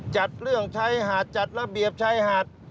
จัดเรื่องชายหาดจัดระเบียบชายหาด